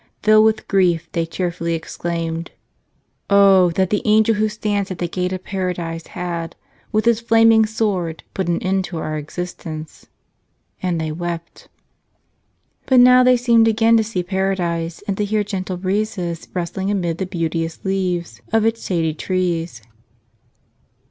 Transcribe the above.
Filled with grief, they tearfully exclaimed: "Oh that the angel who stands at the gate of Paradise had, with his flaming sword, put an end to our existence !" And they wept. But now they seemed again to see Paradise and to hear gentle breezes rustling amid the beauteous leaves of its shady trees.